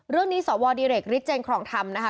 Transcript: ร่วมนี้สวดิลิคฤดเจนครองธรรมนะนะคะ